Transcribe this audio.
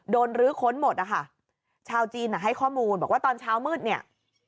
รื้อค้นหมดนะคะชาวจีนอ่ะให้ข้อมูลบอกว่าตอนเช้ามืดเนี่ย